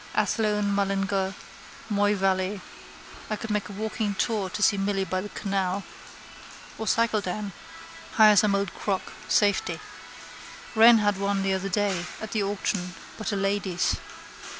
Athlone, Mullingar, Moyvalley, I could make a walking tour to see Milly by the canal. Or cycle down. Hire some old crock, safety. Wren had one the other day at the auction but a lady's.